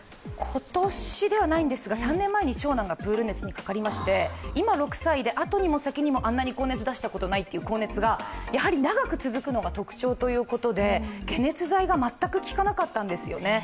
今年ではないんですが、３年前に長男がプール熱にかかりまして今６歳で、後にも先にもあんなに高熱出したことないという高熱がやはり長く続くのが特徴ということで解熱剤が全く効かなかったんですよね。